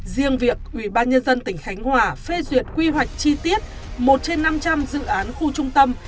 riêng việc ủy ban nhân dân tỉnh khánh hòa phê duyệt quy hoạch chi tiết một trên năm trăm linh dự án khu trung tâm